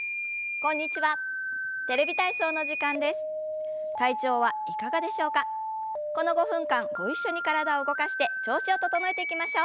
この５分間ご一緒に体を動かして調子を整えていきましょう。